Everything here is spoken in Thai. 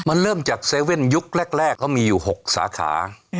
มันเริ่มจากเซเว่นยุคแรกก็มีอยู่๖สาขา